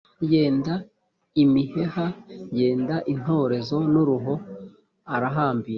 yenda imiheha, yenda intorezo n'uruho, arahambira,